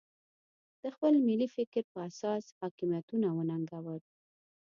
د خپل ملي فکر په اساس حاکمیتونه وننګول.